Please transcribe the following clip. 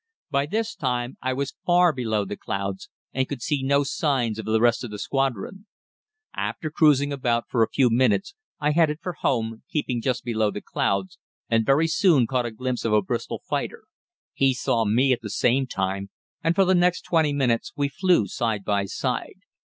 By this time I was far below the clouds, and could see no signs of the rest of the squadron. After cruising about for a few minutes I headed for home, keeping just below the clouds, and very soon caught a glimpse of a Bristol fighter. He saw me at the same time, and for the next twenty minutes we flew side by side.